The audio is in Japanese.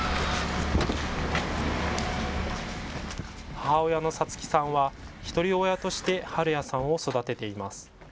母親のさつきさんはひとり親として晴哉さんを育てています。